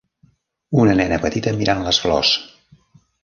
Una nena petita mirant les flors.